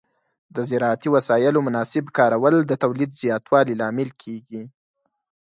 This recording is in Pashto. د زراعتي وسایلو مناسب کارول د تولید زیاتوالي لامل کېږي.